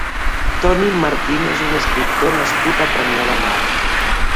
Toni Martín és un escriptor nascut a Premià de Mar.